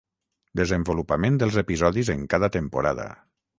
Desenvolupament dels episodis en cada temporada.